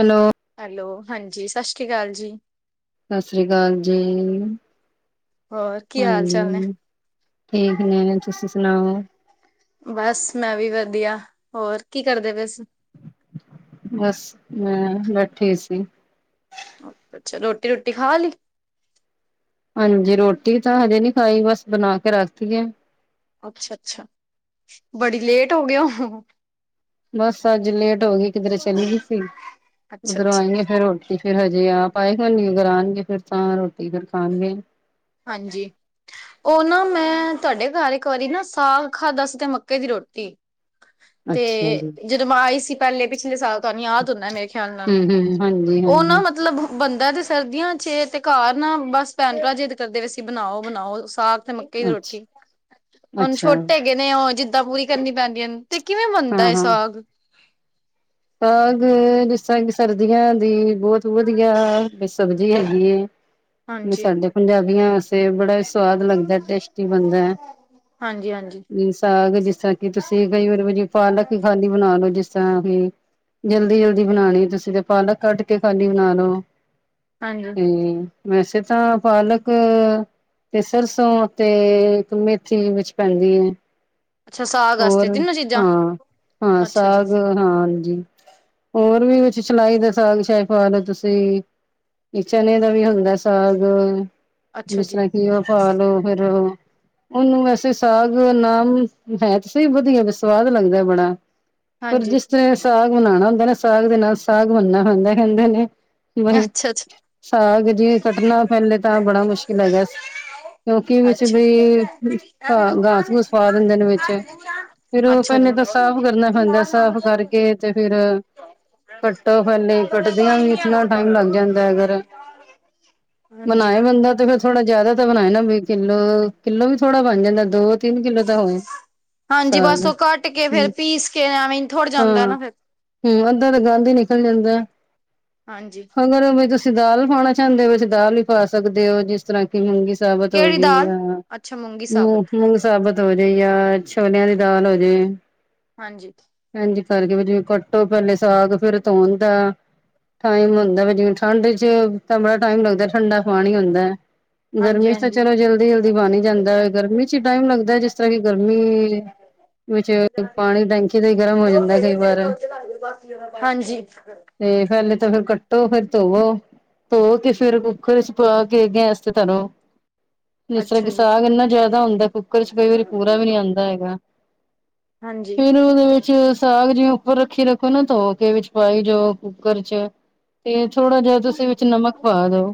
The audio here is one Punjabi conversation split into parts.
ਹੈਲੋ। ਹੈਲੋ, ਹਾਂਜੀ। ਸਾਸ਼੍ਰੀਕਾਲ ਜੀ। ਸਾਸ੍ਰੀਕਾਲ ਜੀ। ਹੋਰ ਕੀ ਹਾਲ ਹਾਂਜੀ, ਚਾਲ ਨੇ ਠੀਕ ਨੇ ਐ ਤੁਸੀ ਸੁਨਾਓ? ਬਸ, ਮੈ ਵੀ ਵਦੀਆ ਹੋਰ ਕੀ ਕਰਦੇ ਪੇ ਸੀ? ਬਸ ਮੈਂ ਬੈਠੀ ਸੀ। ਅੱਛ -ਅੱਛਾ, ਰੋਟੀ-ਰੁਟੀ ਖਾ ਲੀ? ਹਾਂਜੀ, ਰੋਟੀ ਤਾਂ ਹਜੇ ਨੀ ਖਾਈ, ਬਸ ਬਨਾ ਕੇ ਰੱਖ ਤੀ ਐ। ਅੱਛ ਅੱਛਾ, ਬੜੀ ਲੇਟ ਹੋ ਗੇ ੳ। ਬਸ ਅੱਜ ਲੇਟ ਹੋ ਗਈ। ਕਿਧਰੇ ਚਲੀ ਗੀ ਸੀ, ਅੱਛਾ ਉੱਧਰੋਂ ਅੱਛਾ ਆਈ ਆਂ ਫੇਰ ਰੋਟੀ ਫੇਰ ਹਜੇ ਆਪ ਆਏ ਕੋਈ ਨੀ ਅਗਰ ਆਨਗੇ, ਫੇਰ ਤਾਂ ਰੋਟੀ ਫੇਰ ਖਾਨਗੇ। ਹਾਂਜੀ। ਓ ਨਾ ਮੈਂ ਤਾਡੇ ਘਰ ਇੱਕ ਵਾਰੀ ਨਾ ਸਾਗ ਖਾਧਾ ਸੀ ਤੇ ਮੱਕੇ ਦੀ ਰੋਟੀ। ਤੇ ਅੱਛਾ ਜੀ ਜਦੋ ਮੈਂ ਆਈ ਸੀ ਪੈਲੇ ਪਿਛਲੇ ਸਾਲ। ਤਾਨੂੰ ਯਾਦ ਹੁੰਨੈ ਮੇਰੇ ਖਿਆਲ ਨਾਲ ਹੂੰ ਹੂੰ ਹਾਂਜੀ ਓ ਨਾ, ਹਾਂਜੀ ਮਤਲਬ ਬਨਦਾ ਤੇ ਸਰਦੀਆਂ ਚ ਏ ਤੇ ਘਰ ਨਾ ਬਸ ਭੈਣ- ਭਰਾ ਜਿੱਦ ਕਰਦੇ ਪੇਸੀ ਬਨਾਓ-ਬਨਾਓ ਸਾਗ ਤੇ ਮੱਕੀ ਦੀ ਅੱਛਾ ਰੋਟੀ। ਹੁਨ ਅੱਛਾ ਛੋਟੇ ਹੈਗੇ ਨੇ ਉਹ, ਜਿੱਦਾਂ ਪੂਰੀ ਕਰਨੀ ਪੈਂਦੀਆਂ ਨੇ ਤੇ ਕਿਵੇਂ ਬਨਦਾ ਹਾਂ ਏ ਹਾਂ ਸਾਗ? ਸਾਗ ਜਿਸ ਤਰ੍ਹਾਂ ਕਿ ਸਰਦੀਆਂ ਦੀ ਬੌਤ ਵਧੀਆ ਰੇ ਸਬਜੀ ਹੇਗੀ ਏ ਬੀ ਹਾਂਜੀ ਸਾਡੇ ਪੰਜਾਬੀਆਂ ਤੇ ਬੜਾ ਈ ਸਵਾਦ ਲੱਗਦੈ ਟੇਸਟੀ ਬਨਦੈ ਹਾਂਜੀ ਹਾਂਜੀ ਨੀ ਸਾਗ ਜਿਸ ਤਰ੍ਹਾਂ ਕਿ ਕਿ ਤੁਸੀ ਕਈ ਵਾਰੀ ਵੀ ਜੀ ਪਾਲਕ ਈ ਖਾਲੀ ਬਨਾ ਲੋੋ, ਜਿਸ ਤਰ੍ਹਾਂ ਕਿ ਜਲਦੀ-ਜਲਦੀ ਬਣਾਣੀ ਤੁਸੀ ਤੇ ਪਾਲਕ ਕੱਟ ਕੇ ਖਾਲੀ ਬਣਾ ਲਓ। ਹਾਂਜੀ। ਹੁੰ ਵੈਸੇ ਤਾਂ ਪਾਲਕ ਤੇ ਸਰਸੋਂ ਤੇ ਇੱਕ ਮੇਥੀ ਵਿੱਚ ਪੈਂਦੀ ਏ। ਅੱਛਾ ਸਾਗ ਹੋਰ ਵਾਸਤੇ ਤਿੰਨੋ ਚੀਜ਼ਾਂ ਹਾਂ ਹਾਂ ਅੱਛਾ ਜੀ ਸਾਗ ਹਾਂ ਜੀ। ਹੋਰ ਵੀ ਕੁਛ ਸ਼ਲਾਈ ਦਾ ਸਾਗ ਚਾਏ ਪਾ ਲੋ ਤੁਸੀ। ਚਨੇ ਦਾ ਵੀ ਹੁੰਦੈ ਸਾਗ। ਅੱਛਾ ਜਿਸ ਜੀ ਤਰ੍ਹਾਂ ਕੀ ਓ ਪਾਲੋ, ਫੇਰ ਉਨੂੰ ਵੈਸੇ ਸਾਗ ਨਾਮ ਹੈ ਤੇ ਸਈ ਵਧੀਆ ਵੀ ਸਵਾਦ ਲੱਗਦੈ ਬੜਾ, ਪਰ ਹਾਂਜੀ ਜਿਸ ਤੇ ਸਾਗ ਬਨਾਣਾ ਹੁੰਦਾ ਨਾ ਸਾਗ ਦੇ ਨਾਲ ਸਾਗ ਬਨਨਾ ਪੈਂਦਾ ਕੈਂਦੇ ਨੇ ਵਹੀ ਅੱਛਾ ਅੱਛਾ ਸਾਗ ਜੀ ਕੱਟਨਾ ਪੈਲੇ ਤਾ ਬੜਾ ਮੁਸ਼ਕਿਲ ਹੈਗੈ। ਕਿਉਂਕਿ ਵਿੱਚ ਅੱਛਾ ਬਈ ਘਾ ਗਾਸ ਗੂਸ ਪਾ ਦਿੰਦੇ ਨੇ ਵਿੱਚ ਫਿਰ ਓ ਅੱਛਾ ਜੀ ਫੇਨੇ ਤਾ ਸਾਫ਼ ਕਰਨਾ ਪੈਂਦੈ ਸਾਫ਼ ਕਰਕੇ ਤੇ ਫਿਰ ਕੱਟੋ ਪੈਲੇ ਕੱਟਦਿਆਂ ਵੀ ਇਤਨਾ ਟਾਈਮ ਲੱਗ ਜਾਂਦੈ ਅਗਰ ਹਾਂਜੀ ਮਨਾਏ ਬੰਦਾ ਤੇ ਫੇਰ ਥੋੜ੍ਹਾ ਜਿਆਦਾ ਤਾ ਬਨਾਏ ਨਾ ਵੀ ਕਿੱਲੋ ਕਿੱਲੋ ਵੀ ਥੋੜਾ ਬਨ ਜਾਂਦਾ ਦੋ ਤਿੰਨ ਕਿੱਲੋ ਤਾਂ ਹੋਏ। ਹਾਂਜੀ ਸਾਗ ਬਸ ਓ ਕੱਟ ਕੇ ਫੇਰ ਹੂੰ ਪੀਸ ਕੇ ਐਵੇਂ ਈ ਥੋੜ੍ਹ ਹਾਂ ਜਾਂਦਾ ਨਾ ਫਿਰ। ਹੂੰ ਅੱਧਾ ਦਾ ਗੰਦ ਈ ਨਿਕਲ ਜਾਂਦਾ। ਹਾਂਜੀ ਅਗਰ ਵੀ ਤੁਸੀ ਦਾਲ ਪਾਣਾ ਚਾਂਦੇ ਹੋ ਦਾਲ ਈ ਪਾ ਸਕਦੇ ਹੋ ਜਿਸ ਜਦੋਂ ਤਰ੍ਹਾਂ ਕਿ ਮੂੰਗੀ ਸਾਬਤ ਹੋ ਕਿਹੜੀ ਗਈ ਦਾਲ ਆ ਅੱਛਾ ਮੂੰਗੀ ਸਾਬਤ ਮੂੰਗ ਸਾਬਤ ਹੋ ਜਾ ਈ ਆ। ਛੋਲਿਆਂ ਦੀ ਦਾਲ ਹੋ ਜੇ। ਹਾਂਜੀ ਹਾਂਜੀ ਕਰਕੇ ਵੀ ਜਿਵੇਂ ਕੱਟੋ ਪੈਲੇ ਸਾਗ ਫੇਰ ਧੋਣ ਦਾ ਟਾਈਮ ਹੁੰਦਾ ਜਿਵੇਂ ਠੰਡ 'ਚ ਤਾਂ ਬੜਾ ਟਾਈਮ ਲੱਗਦਾ ਠੰਡਾ ਪਾਣੀ ਹੁੰਦਾ। ਹਾਂਜੀ ਗਰਮੀ 'ਚ ਤਾਂ ਹਾਂਜੀ ਚਲੋ ਜਲਦੀ-ਜਲਦੀ ਬਣ ਈ ਜਾਂਦਾ ਐ ਗਰਮੀ 'ਚ ਟਾਈਮ ਲੱਗਦਾ ਐ ਜਿਸ ਤਰ੍ਹਾਂ ਕਿ ਗਰਮੀ ਵਿੱਚ ਪਾਣੀ ਟੈਂਕੀ ਤੇ ਹੀ ਗਰਮ ਹੋ ਜਾਂਦਾ ਕਈ ਵਾਰ ਹਾਂਜੀ ਤੇ ਪੈਲੇ ਤਾਂ ਫੇਰ ਕੱਟੋ ਫੇਰ ਧੋਵੋ। ਧੋ ਕੇ ਫਿਰ ਕੁੱਕਰ 'ਚ ਪਾ ਕੇ ਗੈਸ ਤੇ ਧਰੋ। ਜਿਸ ਤਰ੍ਹਾਂ ਅੱਛਾ ਕਿ ਜੀ ਸਾਗ ਇੰਨਾ ਜਾਦਾ ਹੁੰਦਾ ਕੁੱਕਰ 'ਚ ਕਈ ਵਾਰੀ ਪੂਰਾ ਵੀ ਨੀ ਆਂਦਾ ਹੈਗਾ। ਹਾਂਜੀ ਫਿਰ 'ਚ ਸਾਗ ਜਿਵੇਂ ਉੱਪਰ ਰੱਖੀ ਰੱਖੋ ਨਾ ਧੋ ਕੇ ਵਿੱਚ ਪਾਈ ਜਾਓ ਕੁਕਰ 'ਚ ਤੇ ਥੋੜ੍ਹਾ ਜਿਹਾ ਤੁਸੀ ਵਿੱਚ ਨਮਕ ਪਾ ਦਿਉ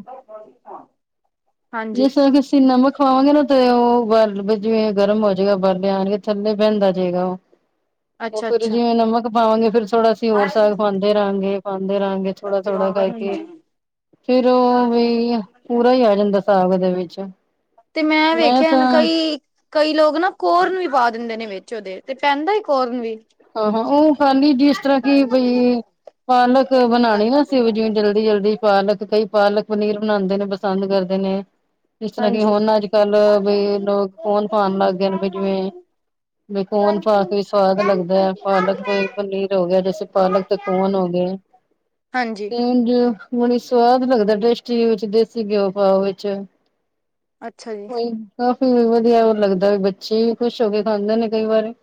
ਹਾਂਜੀ ਜਿਸ ਕਿ ਸੀ ਨਮਕ ਖਵਾਵਾਂਗੇ ਨਾ ਤੇ ਓ ਬਰ ਜਿਵੇ ਗਰਮ ਹੋ ਜਾਏਗਾ ਬਰਲੇ ਆਣਗੇ ਥੱਲੇ ਪੈਂਦਾ ਜੇਗਾ ਓ। ਓ ਫਿਰ ਅੱਛਾ-ਅੱਛਾ ਜਿਵੇਂ ਨਮਕ ਪਾਵਾਂਗੇ ਫੇਰ ਥੋੜਾ ਅਸੀਂ ਹੋਰ ਸਾਗ ਪਾਂਦ ਦੇ ਰਾਂਗੇ ਪਾਂਦੇ ਰਾਂਗੇ ਥੋੜਾ-ਥੋੜਾ ਕਰਕੇ ਫਿਰ ਓ ਵੀ ਪੂਰਾ ਈ ਆ ਜਾਂਦਾ ਸਾਗ ਇਦੇ ਵਿੱਚ ਤੇ ਮੈਂ ਵੇਖਿਆ ਹਨ ਕਈ ਕਈ ਲੋਕ ਨਾ ਕੋਰਨ ਵੀ ਪਾ ਦਿੰਦੇ ਨੇ ਵਿੱਚ ਉਦੇ ਤੇ ਪੈਂਦਾ ਕੋਰਨ ਵੀ ਹਾਹਾ ਹਾਂ ਓ ਖਾਂਦੀ ਜਿਸ ਤਰ੍ਹਾਂ ਕਿ ਬਈ ਪਾਲਕ ਬਣਾਣੀ ਨਾ ਅਸੀਂ ਜਿਵੇਂ ਜਲਦੀ- ਜਲਦੀ ਪਾਲਕ ਕਈ ਪਾਲਕ ਪਨੀਰ ਬਣਾਂਦੇ ਨੇ ਪਸੰਦ ਕਰਦੇ ਨੇ। ਜਿਸ ਤਰ੍ਹਾਂ ਕਿ ਹਾਂਜੀ-ਹਾਂਜੀ ਹੁਣ ਅੱਜ ਕੱਲ ਬੀ ਲੋਕ ਫੋਨ ਪਾਣ ਲੱਗ ਗਏ ਬੀ ਜਿਵੇ ਬਈ ਫੋਨ ਪਾ ਕੇ ਵੀ ਸਵਾਦ ਲੱਗਦ ਪਾਲਕ ਕੋ ਪਨੀਰ ਹੋ ਗਿਆ ਜੈਸੇ ਪਾਲਕ ਤੇ ਕੋਨ ਹੋ ਗਏ। ਹੁਣ ਜਿਵੇ ਬੜੀ ਸਵਾਦ ਲੱਗਦਾ ਟੇਸਟੀ ਵਿੱਚ ਦੇਸੀ ਘਿਓ ਪਾਓ ਵਿੱਚ ਅੱਛਾ ਜੀ ਕੋਈ ਕਾਫੀ ਵਧੀਆ ਹੋ ਲੱਗਦਾ ਵੀ ਬੱਚੇ ਵੀ ਖੁਸ਼ ਹੋ ਕੇ ਖਾਂਦੇ ਨੇ ਕਈ ਵਾਰ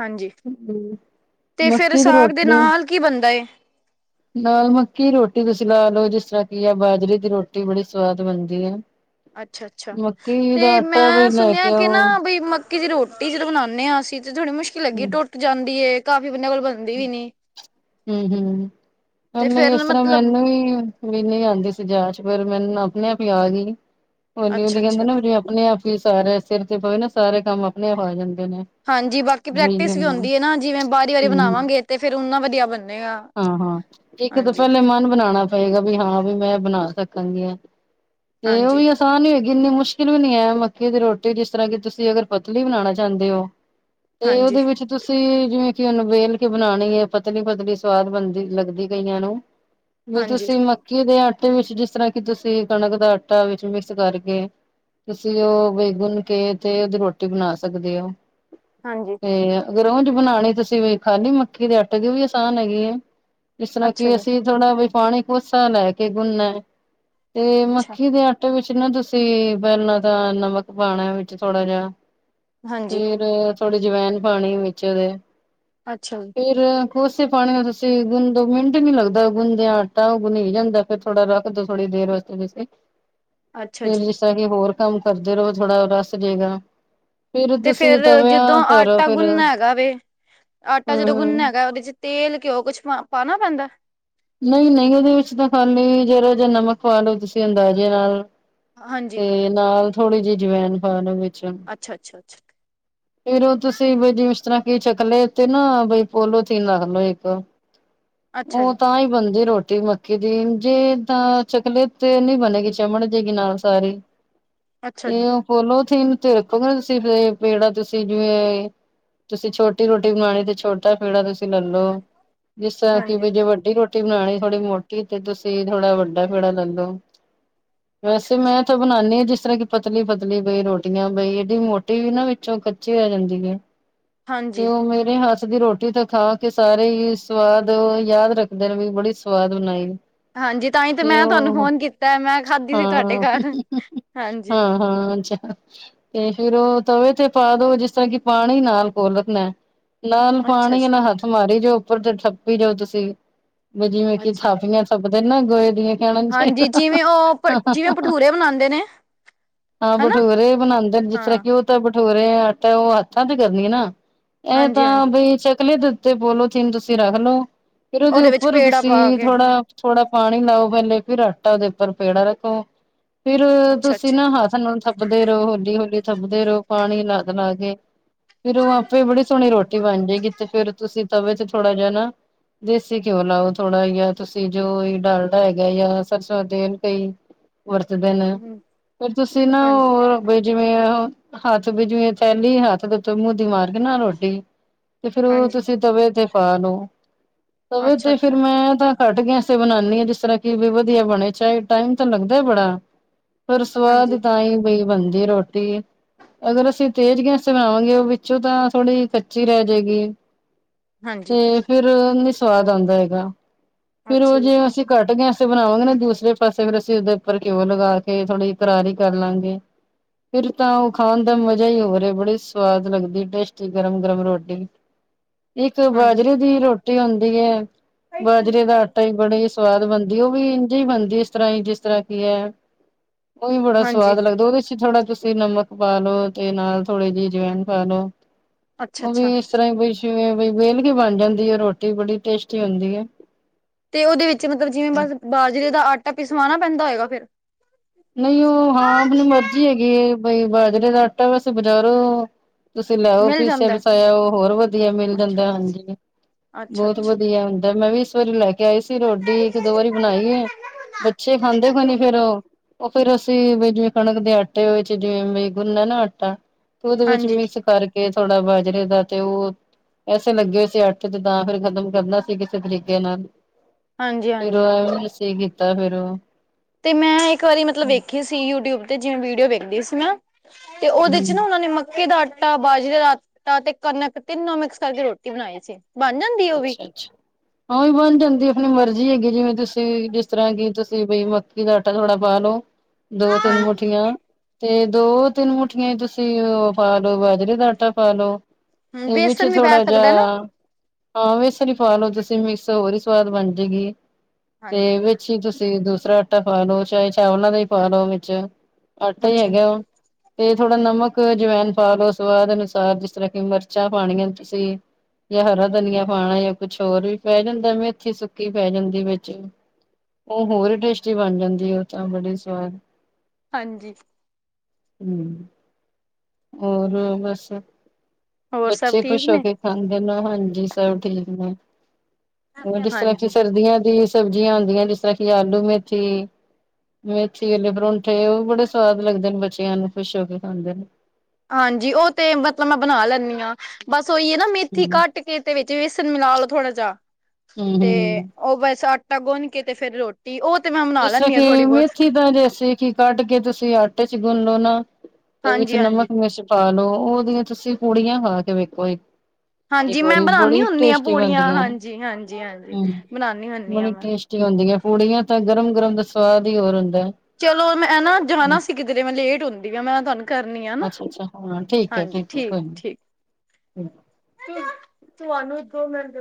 ਹਾਂਜੀ ਤੇ ਫਿਰ ਮੱਕੀ ਦੀ ਸਾਗ ਦੇ ਨਾਲ ਕੀ ਬਣਦਾ ਏ। ਲਾ ਮੱਕੀ ਰੋਟੀ ਤੁਸੀਂ ਲੈ ਲਓ ਜਿਸ ਤਰ੍ਹਾਂ ਕੀ ਆ ਬਾਜਰੇ ਦੀ ਰੋਟੀ ਬੜੀ ਸਵਾਦ ਬਣਦੀ ਏ। ਅੱਛਾ-ਅੱਛਾ ਤੇ ਵੀ ਮੈਂ ਲੈ ਸੁਣਿਆ ਕੇ ਕਿ ਆਓ ਨਾ ਬਈ ਮਤ ਕਿ ਜੇ ਰੋਟੀ ਜਦੋਂ ਬਣਾਣੇ ਅਸੀਂ ਤੇ ਥੋੜੀ ਮੁਸ਼ਕਿਲ ਲੱਗੀ ਟੁੱਟ ਜਾਂਦੀ ਏ ਕਾਫੀ ਬੰਦਿਆਂ ਕੋਲ ਬ ਹੂੰ-ਹੂੰ ਤੇ ਮੈਂਨੂੰ ਫੇਰ ਇਸ ਤਰ੍ਹਾਂ ਮਤਲਬ ਮੈਨੂੰ ਵੀ ਵੀ ਨਈ ਆਂਦੀ ਸੀ ਜਾਚ ਫਿਰ ਮੈਨੂੰ ਆਪਣੇ ਆਪ ਈ ਆ ਗਈ ਹੋਲੀ-ਹੋਲੀ ਕੈਂਦੇ ਅੱਛਾ-ਅੱਛਾ ਨਾ। ਆਪਣੇ ਆਪ ਹੀ ਸਾਰਿਆਂ ਸਿਰ ਤੇ ਪਵੇ ਨਾ ਸਾਰੇ ਕੰਮ ਆਪਣੇ ਆਪ ਆ ਜਾਂਦੇ ਨੇ। ਹਾਂਜੀ ਬਾਕੀ ਬਈ ਪ੍ਰੈਕਟਿਸ ਵੀ ਹੂੰ ਹੁੰਦੀ ਏ ਨਾ ਜਿਵੇ ਬਾਰੀ ਵਾਰੀ ਬਣਾਵਾਂਗੇ ਤੇ ਫਿਰ ਓਨਾ ਵਧੀਆ ਬਨੇਗਾ। ਹਾਂ-ਹਾਂ ਇੱਕ ਤਾਂ ਪੈਲੇ ਮਨ ਬਣਾਣਾ ਪਏਗਾ ਵੀ ਹਾਂ ਵੀ ਮੈਂ ਬਣਾ ਸਕਾਂਗੀ ਆਂ। ਤੇ ਓ ਈ ਹਾਂਜੀ-ਹਾਂਜੀ-ਹਾਂਜੀ-ਹਾਂਜੀ ਆਸਾਨ ਹੀ ਹੈਗੀ ਇੰਨੀ ਮੁਸ਼ਕਿਲ ਵੀ ਨੀ ਹੈ ਮੱਕੀ ਦੀ ਰੋਟੀ ਜਿਸ ਤਰ੍ਹਾਂ ਕਿ ਤੁਸੀਂ ਅਗਰ ਪਤਲੀ ਬਣਾਣਾ ਚਾਹੁੰਦੇ ਹੋ। ਤੇ ਉਦੇ ਵਿੱਚ ਤੁਸੀਂ ਜਿਵੇਂ ਕਿ ਉਨੂੰ ਵੇਲ ਕੇ ਬਣਾਣੀ ਏ ਪਤਲੀ-ਪਤਲੀ ਸਵਾਦ ਬਣਦੀ ਲੱਗਦੀ ਕਈਆਂ ਨੂੰ, ਵੀ ਤੁਸੀਂ ਮ ਮੱਕੀ ਦੇ ਆਟੇ ਵਿੱਚ ਜਿਸ ਤਰ੍ਹਾਂ ਕਿ ਤੁਸੀਂ ਕਣਕ ਦਾ ਆਟਾ ਵਿੱਚ ਮਿਕਸ ਕਰਕੇ ਤੁਸੀਂ ਉਹ ਵੇ ਗੂੰਨ ਕੇ ਤੇ ਉਹਦੀ ਰੋਟੀ ਬਣਾ ਸਕਦੇ ਹੋ। ਹਾਂਜੀ। ਤੇ ਅਗਰ ਉਂਝ ਬਣਾਣੀ ਤੁਸੀਂ ਖਾਲੀ ਮੱਕੀ ਦੇ ਆਟੇ ਦੀ ਓ ਵੀ ਆਸਾਨ ਹੈਗੀ ਐ। ਜਿਸ ਤਰ੍ਹਾਂ ਅੱਛਾ ਕਿ ਜੀ ਅਸੀਂ ਥੋੜਾ ਵੀ ਪਾਣੀ ਕੋਸਾ ਲੈ ਕੇ ਗੁਣਨਾ ਤੇ ਅੱਛਾ ਮੱਕੀ ਦੇ ਆ ਤੇ ਉਹਦੇ ਵਿੱਚ ਨਾ ਤੁਸੀਂ ਪਹਿਲਾਂ ਤਾਂ ਨਮਕ ਪਾਣਾ ਵਿੱਚ ਥੋੜਾ ਜਿਹਾ ਹਾਂਜੀ ਫਿਰ ਥੋੜ੍ਹੀ ਜਵਾਇਨ ਪਾਨੀ ਵਿੱਚ ਉਹਦੇ। ਅੱਛਾ। ਫਿਰ ਕੋਸੇ ਪਾਣੀ ਨਾਲ ਤੁਸੀਂ ਗੁੰਨ ਦੋ ਮਿੰਟ ਨੀ ਲੱਗਦਾ ਗੁਣਦਿਆਂ ਆਟਾ ਉਹ ਗੁੰਨੀ ਜਾਂਦਾ, ਫਿਰ ਥੋੜਾ ਰੱਖ ਦਿਉ ਥੋੜੀ ਦੇਰ ਵਾਸਤੇ ਤੁਸੀਂ। ਅੱਛਾ ਫਿਰ ਜੀ ਜਿਸ ਤਰ੍ਹਾਂ ਕਿ ਹੋਰ ਕੰਮ ਕਰਦੇ ਰਹੋ ਥੋੜਾ ਰੱਸ ਜਾਏਗਾ। ਤੇ ਫਿਰ ਜਦੋਂ ਆਟਾ ਫੇਰ ਗੁੰਨਣਾ ਹੈਗਾ ਵੇ, ਆਟਾ ਜਦੋਂ ਗੁੰਨਣਾ ਹੂੰ ਹੈਗਾ ਉਹਦੇ ਚ ਤੇਲ, ਘਿਉ ਕੁਸ਼ ਪਾਣਾ ਪੈਂਦਾ? ਨਹੀਂ ਨਹੀਂ ਉਹਦੇ ਵਿੱਚ ਤਾਂ ਖ਼ਾਲੀ ਜ਼ਰਾ ਜਾ ਨਮਕ ਪਾ ਲਓ ਤੁਸੀਂ ਅੰਦਾਜ਼ੇ ਨਾਲ। ਹਾਂਜੀ ਤੇ ਨਾਲ ਥੋੜ੍ਹੀ ਜਿਹੀ ਅਜਵੈਣ ਪਾ ਲਉ ਵਿੱਚ। ਅੱਛਾ ਅੱਛਾ ਅੱਛਾ। ਫਿਰ ਉਹ ਤੁਸੀਂ ਜੇ ਇਸ ਤਰ੍ਹਾਂ ਕੀ ਚੱਕਲੇ ਤੇ ਨਾ ਬਈ ਪੋਲੋਥੀਨ ਰੱਖ ਲਓ ਇੱਕ। ਅੱਛਾ ਉਹ ਜੀ ਤਾਂ ਹੀ ਬਣਦੀ ਰੋਟੀ ਮੱ ਮੱਕੀ ਦੀ ਜੇ ਤਾਂ ਚੱਕਲੇ ਤੇ ਨਹੀਂ ਬਣੇਗੀ ਚਮੜ ਜਾਏਗੀ ਨਾਲ ਸਾਰੀ। ਅੱਛਾ ਏ ਜੀ ਓ ਪੋਲੋਥੀਨ ਚ ਰੱਖੋਗੇ ਨਾ ਤੁਸੀਂ ਪੇੜਾ ਤੁ ਤੇ ਜਿਵੇਂ ਤੁਸੀਂ ਛੋਟੀ ਰੋਟੀ ਬਣਾਉਣੀ ਤੇ ਛੋਟੀ ਛੋਟਾ ਪੇੜਾ ਤੁਸੀਂ ਲੈ ਲਉ, ਜਿਸ ਤਰ੍ਹਾਂ ਕਿ ਹਾਂਜੀ ਵੀ ਜੇ ਵੱਡੀ ਰੋਟੀ ਰੋਟੀ ਬਣਾਉਣੀ ਥੋੜੀ ਮੋਟੀ ਤੇ ਤੁਸੀਂ ਥੋੜਾ ਵੱਡਾ ਪੇੜਾ ਲੈ ਲੋ, ਅੱਛਾ ਵੈਸੇ ਅੱਛਾ ਮੈਂ ਬਣਾਉਣੀ ਆ ਜਿਸ ਤਰ੍ਹਾਂ ਕਿ ਪਤਲੀ ਪਤਲੀ ਬਈ ਰੋਟੀਆਂ ਬਈ ਏਡੀ ਮੋਟੀ ਵੀ ਨਾ ਵਿੱਚੋਂ ਕੱ ਕੱਚੀ ਰਹਿ ਜਾਂਦੀ ਐ ਤੇ ਹਾਂਜੀ ਉਹ ਮੇਰੇ ਹੱਥ ਹੱਥ ਦੀ ਰੋਟੀ ਤਾਂ ਖਾ ਕੇ ਸਾਰੇ ਹੀ ਸਵਾਦ ਯਾਦ ਰੱਖਦੇ ਨੇ ਵੀ ਬੜੀ ਸਵਾਦ ਬਣਾਈ। ਹਾਂਜੀ ਤਾਂ ਹੀ ਤੇ ਮੈਂ ਤੁਹਾਨੂੰ ਉਹ ਫੋਨ ਕੀਤਾ ਮੈਂ ਖਾਧੀ ਸੀ ਹਾਂ ਹਾਂ ਤੁਹਾਡੇ ਹਾਂ। ਘਰ ਹਾਂਜੀ ਹਾਂ, ਅੱਛਾ ਤੇ ਫਿਰ ਉਹ ਤਵੇ ਤੇ ਪਾ ਦੋ ਜਿਸ ਤਰ੍ਹਾਂ ਕਿ ਪਾਣੀ ਨਾਲ ਕੋੋਲ ਰੱਖਣਾ, ਨਾਲ ਅੱਛਾ ਪਾਣੀ ਜੀ ਨਾਲ ਹੱਥ ਮਾਰੀ ਜਾਓ। ਉੱਪਰ ਤੋਂ ਥੱਪੀ ਜਾਓ ਤੁਸੀਂ ਵੀ ਜਿਵੇਂ ਕਿ ਅੱਛਾ ਥਾਪੀਆਂ ਥੱਪਦੇ ਨਾ ਗੋਹੇ ਦੀਆਂ ਕਹਿਣਾ ਨੀ ਹਾਂਜੀ ਚਾਹੀਦਾ ਜਿਵੇਂ ਉਹ ਜਿਵੇਂ ਭਠੂਰੇ ਬਣਾਂਦੇ ਨੇ। ਹਾਂ ਹਨਾ ਬਠੂਰੇ ਬਣਾਂਦੇ ਨੇ ਜਿਸ ਹਾਂ ਤਰ੍ਹਾਂ ਕਿ ਉਹ ਤਾਂ ਭਠੂਰੇ ਆਟਾ ਉਹ ਹੱਥਾਂ ਤੇ ਕਰਨੀ ਨਾ ਇਹ ਹਾਂਜੀ ਤਾਂ ਹਾਂਜੀ ਬਈ ਚੱਕਲੇ ਤੇ ਪੋਲੋਥੀਨ ਤੁਸੀਂ ਰੱਖ ਲਓ, ਫਿਰ ਉਹਦੇ ਵਿੱਚ ਉੱਪਰ ਪੇੜਾ ਪਾ ਤੁਸੀਂ ਕੇ ਥੋੜਾ ਥੋੜਾ ਪਾਣੀ ਲਾਉ ਪਹਿਲੇ ਫਿਰ ਆਟਾ ਉਹਦੇ ਉੱਪਰ ਪੇੜਾ ਰੱਖੋ, ਫਿਰ ਅੱਛਾ ਤੁਸੀਂ ਅੱਛਾ ਨਾ ਹੱਥ ਹੱਥਾਂ ਨਾਲ ਥੱਪਦੇ ਰਹੋ ਹੌਲੀ ਹੌਲੀ ਥੱਪਦੇ ਰਹੋ ਪਾਣੀ ਲੱਗ ਲਾ ਕੇ ਫਿਰ ਉਹ ਆਪੇ ਬੜੀ ਸੋਹਣੀ ਰੋਟੀ ਬਣ ਜਾਏਗੀ ਤੇ ਫਿਰ ਤੁਸੀਂ ਤਵੇ ਤੇ ਥੋੜਾ ਜਿਹਾ ਨਾ ਦੇਸੀ ਘਿਓ ਲਾਓ ਥੋੜਾ ਜਾਂ ਤੁਸੀਂ ਜੋ ਡਾਲਡਾ ਹੈਗਾ ਜਾਂ ਸਰਸੋਂ ਤੇਲ ਕੋਈ ਵਰਤਦੇ ਨੇ, ਹਮ ਫਿਰ ਤੁਸੀਂ ਨਾ ਹਾਂਜੀ ਹੋਰ ਬੀ ਜਿਵੇਂ ਹੱਥ ਬੀ ਜਿਵੇਂ ਥੈਲੀ ਹੱਥ ਦੇ ਉੱਤੇ ਮੂਹਦੀ ਮਾਰ ਕੇ ਨਾ ਰੋਟੀ ਤੇ ਫਿਰ ਉਹ ਹਾਂਜੀ ਤੁਸੀਂ ਤਵੇ ਤੇ ਪਾ ਲਓ, ਤਵੇ ਤੇ ਫਿਰ ਅੱਛਾ-ਅੱਛਾ, ਮੈਂ ਤਾਂ ਘੱਟ ਗੈਸ ਤੇ ਬਣਾਣੀ ਆ ਜਿਸ ਤਰ੍ਹਾਂ ਕਿ ਵੀ ਵਧੀਆ ਬਣੇ, ਚਾਹੇ ਟਾਈਮ ਤਾਂ ਲੱਗਦਾ ਬੜਾ। ਪਰ ਸਵਾਦ ਤਾਂ ਹੀ ਬਈ ਬਣਦੀ ਐ ਰੋਟੀ। ਅਗਰ ਅਸੀਂ ਤੇਜ਼ ਗੈਂਸ ਤੇ ਬਣਾਵਾਂਗੇ ਓ ਵਿੱਚੋਂ ਤਾਂ ਥੋੜ੍ਹੀ ਕੱਚੀ ਰੈ ਜੇਗੀ। ਹਾਂਜੀ-ਹਾਂਜੀ, ਤੇ ਫੇਰ ਨਈ ਸਵਾਦ ਆਂਦਾ ਹੈਗਾ, ਫਿਰ ਅੱਛਾ ਓਹ ਜੀ, ਜੇ ਅਸੀਂ ਘੱਟ ਗੈਸ ਤੇ ਬਣਾਵਾਂਗੇ ਨਾ ਦੂਸਰੇ ਪਾਸੇ ਫੇਰ ਅਸੀਂ ਓਦੇ ਉੱਪਰ ਘਿਓ ਲਗਾ ਕੇ ਥੋੜੀ ਕਰਾਰੀ ਕਰ ਲਾਂਗੇ। ਫੇਰ ਤਾਂ ਓ ਖਾਣ ਦਾ ਮਜ਼ਾ ਈ ਹੋਰ ਐ ਬੜੀ ਸਵਾਦ ਲੱਗਦੀ ਟੇਸਟੀ, ਗਰਮ-ਗਰਮ ਰੋਟੀ। ਇੱਕ ਬਾਜਰੇ ਦੀ ਰੋਟੀ ਹੋਂਦੀ ਐ, ਬਾਜਰੇ ਦਾ ਆਟਾ ਈ ਬੜੇ ਤੇ ਸਵਾਦ ਬਣਦੀ ਏ ਓ ਵੀ ਇੰਝੇ ਈ ਬਣਦੀ ਇਸ ਤਰਾਂ ਈ ਜਿਸ ਤਰਾਂ ਕੀ ਐ ਓ ਵੀ ਬੜਾ ਹਾਂਜੀ-ਹਾਂਜੀ। ਸਵਾਦ ਲੱਗਦੈ ਓਦੇ ਚ ਈ ਥੋੜਾ ਤੁਸ ਤੇ ਨਮਕ ਪਾ ਲੋੋ ਤੇ ਨਾਲ ਥੋੜੇ ਜੀ ਜਵਾਇਨ ਪਾ ਲੋ ਓ ਵੀ ਅੱਛਾ-ਅੱਛਾ, ਇਸ ਤਰਾਂ ਬਈਸ਼ ਜਿਵੇਂ ਬਈ ਵੇਲ ਕੇ ਬਣ ਜਾਂਦੀ ਐ ਰੋਟੀ ਬੜੀ ਟੇਸਟੀ ਹੁੰਦੀ ਐ। ਤੇ ਓਦੇ ਵਿੱਚ ਮਤਲਬ ਜਿਵੇਂ ਬਸ ਬਾਜਰੇ ਦਾ ਆਟਾ ਪਿਸਵਾਨਾ ਪੈਂਦਾ ਹੈਏਗਾ ਫੇਰ ਨਈਂ ਓ ਹਾਂ ਅਪਨੀ ਮਰਜੀ ਹੈਗੀ ਐ ਬਈ ਬਾਜਰੇ ਦਾ ਆਟਾ ਵੈਸੇ ਬਜ਼ਾਰੋ ਤੁਸੀਂ ਲੈ ਆਓ ਮਿਲ ਜਾਂਦਾ ਪੀਸਿਆ-ਪਿਸਾਆ ਓ ਹੋਰ ਵਦੀਆ ਮਿਲ ਅੱਛਾ, ਜਾਂਦਾ ਹਾਂਜੀ। ਬਹੋਤ ਅੱਛਾ-ਅੱਛਾ, ਵਦੀਆ ਹੁੰਦਾ ਮੈਂ ਵੀ ਇਸ ਵਾਰੀ ਲੈ ਕੇ ਲੇਆਈ ਸੀ ਰੋਟੀ ਇੱਕ-ਦੋ ਵਾਰੀ ਬਣਾਈ ਐ, ਬੱਚੇ ਖਾਂਦੇ ਕੋਈ ਨੀ ਫੇਰ ਓ ਓ ਫੇਰ ਅਸੀਂ ਵੀ ਜਿਵੇਂ ਕਣਕ ਦੇ ਆਟੇ ਵਿੱਚ ਜਿਵੇਂ ਬਈ ਗੁੰਨਨੈ ਨਾ ਆਟਾ ਤੇ ਓਦੇ ਵਿੱਚ ਮਿਕਸ ਕਰਕੇ ਥੋੜਾ ਬਾਜਰੇ ਦਾ ਤੇ ਓ ਪੈਸੇ ਲੱਗੇ ਹੋਏ ਸੀ ਆੱਟੇ ਤੇ ਤਾਂ ਫੇਰ ਖ਼ਤਮ ਕਰਨਾ ਸੀ ਕਿਸੇ ਤਰੀਕੇ ਨਾਲ। ਫੇਰ ਓ ਹਾਂਜੀ-ਹਾਂਜੀ-ਹਾਂਜੀ। ਐਵੇ ਅਸੀਂ ਕੀਤਾ ਫੇਰ ਓ ਤੇ ਮੈਂ ਇੱਕ ਵਾਰੀ ਮਤਲਬ ਵੇਖੀ ਸੀ ਯੂਟਿਊਬ ਤੇ ਜਿਵੇਂ ਵੀਡੀਓ ਵੇਖਦੀ ਸੀ ਨਾ ਤੇ ਓਦੇ ਚ ਨਾ ਓਨਾਂ ਨੇ ਮੱਕੇ ਦਾ ਆ ਟਾ ਬਾਜਰੇ ਦਾ ਆਟਾ, ਤੇ ਕਣਕ ਤਿੰਨੋ ਮਿਕਸ ਕਰਕੇ ਰੋਟੀ ਬਣਾਈ ਸੀ। ਬਣ ਜਾਂਦੀ ਉਹ ਵੀ ਅੱਛਾ-ਅੱਛਾ। ਹਾਂ ਵੀ ਓ ਬਣ ਜਾਂਦੀ ਐ ਆਪਣੀ ਮਰਜ਼ੀ ਹੈਗੀ ਜਿਵੇਂ ਤੁਸੀਂ ਜਿਸ ਤਰਾਂ ਕਿ ਤੁਸੀਂ ਬਈ ਮੱਕੀ ਦਾ ਆਟਾ ਥੋੜਾ ਪਾ ਲਓ। ਦੋ-ਤਿੰਨ ਹਾਂਜੀ। ਮੁਠੀਆਂ ਤੇ ਦੋ-ਤਿੰਨ ਮੁੱਠੀਆਂ ਈਂ ਤੁਸੀਂ ਓ ਪਾ ਲੋ ਬਾਜਰੇ ਦਾ ਆਟਾ ਪਾ ਲਓ। ਹੂੰ, ਤੇ ਵਿੱਚ ਬੇਸਨ ਵੀ ਪੈ ਥੋੜਾ ਜੇਆ ਸਕਦਾ ਨਾ ਹਾਂ ਬੇਸਨ ਈ ਪਾ ਲੋਓ ਤੁਸੀਂ ਮਿਕਸ ਹੋਰ ਈ ਸਵਾਦ ਬਣ ਜੇਗੀ। ਤੇ ਹਾਂਜੀ, ਵਿੱਚ ਤੁਸੀਂ ਦੂਸਰਾ ਆਟਾ ਪਾ ਲਓ ਚਾਏ ਚਾਵਲਾਂ ਦਾ ਈ ਪਾ ਲਓ ਵਿੱਚ ਆਟਾ ਈ ਅੱਛਾ ਜੀ, ਹੈਗਾ ਓ ਤੇ ਥੋੜਾ ਨਮਕ ਅਜਵਾਇਨ ਪਾ ਲੋ ਸਵਾਦ ਅਨੁਸਾਰ, ਜਿਸ ਤਰਾਂ ਕਿ ਮਿਰਚਾਂ ਪਾਣੀਆਂ ਤੁਸੀਂ ਯਾ ਹਰਾ ਧਨੀਆ ਪਾਣਾ ਯਾ ਕੁਛ ਹੋਰ ਵੀ ਪੈ ਜਾਂਦਾ ਮੇਥੀ ਸੁੱਕੀ ਪੈ ਜਾਂਦੀ ਵਿੱਚ ਓ ਹੋਰ ਵੀ ਟੇਸਟੀ ਬਣ ਜਾਂਦੀ ਆ ਓ ਤਾਂ ਬੜੀ ਸਵਾਦ ਹਾਂਜੀ ਹੂੰ, ਹੋਰ ਬਸ, ਹੋਰ ਸਭ ਬੱਚੇ ਠੀਕ ਖੁਸ਼ ਹੋ ਨੇ ਕੇ ਖਾਂਦੇਨ ਹਾਂਜੀ ਸਭ ਠੀਕ ਨੇ ਓ ਜਿਸ ਤਰਾਂ ਕਿ ਹਾਂਜੀ। ਸਰਦੀਆਂ ਦੀ ਸਬਜ਼ੀਆਂ ਆਂਦੀਆਂ ਜਿਸ ਤਰਾਂ ਕਿ ਆਲੂ-ਮੇਥੀ ਮੇਥੀ ਆਲੇ ਪਰੋਂਠੇ ਓ ਵੀ ਬੜੇ ਸਵਾਦ ਲੱਗਦੇ ਨੇ ਬੱਚੇਆਂ ਨੂੰ ਖੁਸ਼ ਹੋ ਕੇ ਖਾਂਦੇ ਨੇ। ਹਾਂਜੀ, ਓ ਤੇ ਮਤਲਬ ਮੈਂ ਬਣਾ ਲੈਂਨੀ ਆਂ। ਬਸ ਓਈ ਐ ਨਾ ਮੇਥੀ ਹਮ ਕੱਟ ਕੇ ਤੇ ਵਿੱਚ ਵੇਸਣ ਮਿਲਾ ਲਓ ਥੋੜਾ ਜਾ। ਹਮ ਤੇ ਹਮ ਓ ਬਸ ਆਟਾ ਗੁੰਨ ਕੇ ਤੇ ਫੇਰ ਰੋ ਨੀ ਓ ਤੇ ਮੈਂ ਬਣਾ ਜਿਸ ਤਰਾਂ ਲੈਂਦੀ ਹਾਂ ਕਿ ਥੋੜ੍ਹੀ ਬਹੁਤ ਮੇਥੀ ਦਾ ਜੈਸੇ ਕਿ ਕੱਟ ਕੇ ਤੁਸੀਂ ਆਟੇ ਚ ਗੁੰਨ ਲੋ ਨਾ, ਤੇ ਵਿੱਚ ਹਾਂਜੀ ਹਾਂਜੀ ਨਮਕ ਮਿਰਚ ਪਾ ਲਓ ਓਦੀਆਂ ਤੁਸੀਂ ਪੂੜੀਆਂ ਖਾ ਕੇ ਵੇਖੋ ਇੱਕ ਇੱਕ ਹਾਂਜੀ ਮੈਂ ਵਾਰੀ ਬਣਾਉਦੀ ਬੜੀ ਹੁੰਦੀ ਹਾਂ ਟੇਸਟੀ ਪੂੜੀਆਂ ਬਣਦੀਆਂ ਨੇ, ਹਾਂਜੀ ਹਾਂਜੀ ਹਾਂਜੀ ਹੂੰ ਬਣਾਉਦੀ ਹੁੰਦੀ ਹਾਂ ਬੜੀ ਮੈਂ ਟੇਸਟੀ ਹੁੰਦੀਆਂ ਪੂੜੀਆਂ ਤਾਂ ਗਰਮ-ਗਰਮ ਦਾ ਸਵਾਦ ਈ ਹੋਰ ਹੁੰਦਾ। ਚਲੋ ਮੈਂ ਨਾ ਹੈ। ਜਾਣਾ ਸੀ ਕਿਧਰੇ, ਮੈਂ ਲੇਟ ਹੁੰਦੀ ਪਈ ਆ ਮੈਂ ਨਾ ਤੁਆਨੂੰ ਕਰਨੀ ਆ ਹਨਾ ਅੱਛਾ ਅੱਛਾ ਹਾਂ ਠੀਕ ਹੈ ਹਾਂਜੀ ਠੀਕ ਹੈ ਕੋਈ ਨੀ। ਠੀਕ-ਠੀਕ। ਤੂੰ ਤੁਆਨੂੰ ਦੋ ਮਿੰਟ